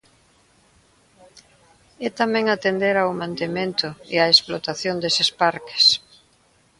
E tamén atender ao mantemento e á explotación deses parques.